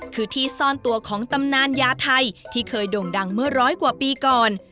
คือที่ซ่อนตัวของตำนานยาไทยที่เคยดงดัง๑๐๐กว่าปีก่อน